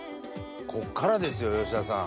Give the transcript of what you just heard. こっからですよ吉田さん。